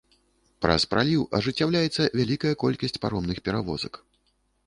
Праз праліў ажыццяўляецца вялікая колькасць паромных перавозак.